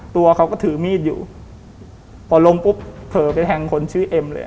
ตัวเขาก็ถือมีดอยู่พอลงปุ๊บเผลอไปแทงคนชื่อเอ็มเลย